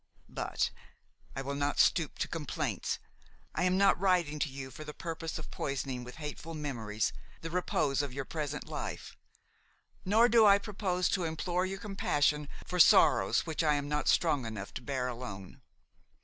But I will not stoop to complaints; I am not writing to you for the purpose of poisoning with hateful memories the repose of your present life; nor do I propose to implore your compassion for sorrows which I am strong enough to bear alone.